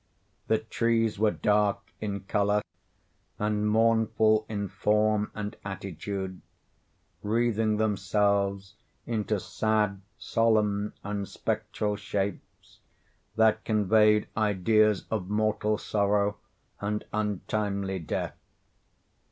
The trees were dark in color, and mournful in form and attitude, wreathing themselves into sad, solemn, and spectral shapes that conveyed ideas of mortal sorrow and untimely death.